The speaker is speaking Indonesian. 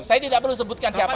saya tidak perlu sebutkan siapa